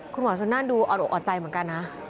คุณหมอชนนั่นดูอดอกอ่อนใจเหมือนกันนะ